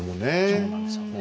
そうなんですよね。